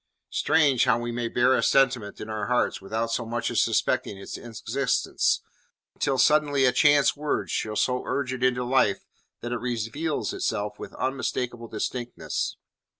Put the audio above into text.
Strange how we may bear a sentiment in our hearts without so much as suspecting its existence, until suddenly a chance word shall so urge it into life that it reveals itself with unmistakable distinctness.